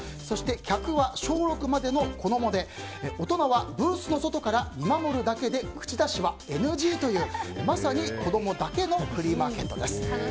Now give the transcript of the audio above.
そして客は小６までの子供で大人はブースの外から見守るだけで口出しはＮＧというまさに子供だけのフリーマーケットです。